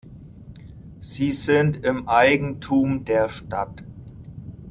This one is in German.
Sie sind im Eigentum der Stadt.